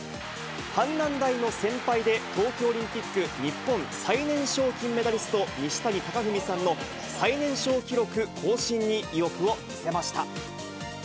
阪南大の先輩で冬季オリンピック日本最年少金メダリスト、西谷岳文さんの最年少記録更新に意欲を見せました。